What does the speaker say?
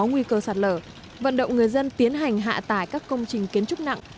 nguy cơ sạt lở vận động người dân tiến hành hạ tải các công trình kiến trúc nặng